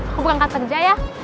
aku berangkat kerja ya